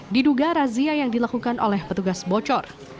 diduga razia yang dilakukan oleh petugas bocor